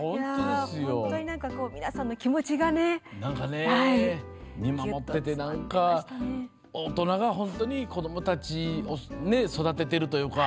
本当に皆さんの気持ちがね。見守ってて大人が本当に子どもたちを育ててるというか。